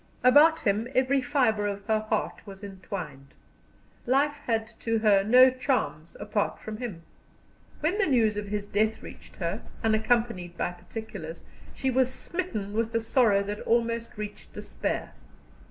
About him every fibre of her heart was entwined. Life had to her no charms apart from him. When the news of his death reached her, unaccompanied by particulars, she was smitten with a sorrow that almost reached despair.